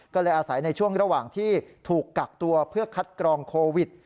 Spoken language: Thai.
ก็เลยอาศัยในช่วงระหว่างที่ถูกกักตัวเพื่อคัดกรองโควิด